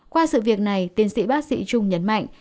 qua sự việc này tiến sĩ bác sĩ trung nhấn mạnh